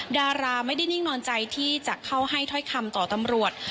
ดาราไม่ได้นิ่งนอนใจที่จะเข้าให้ถ้อยคำต่อตำรวจ